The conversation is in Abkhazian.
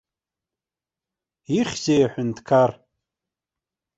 Ихьзеи аҳәынҭқар?